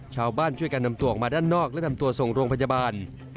ชาวบ้านช่วยกันนำตัวออกมาด้านนอกและนำตัวส่งโรงพยาบาล